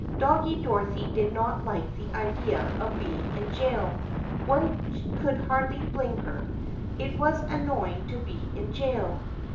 Doggie Dorothy did not like the idea of being in jail. One could hardly blame her. It is annoying to be in jail.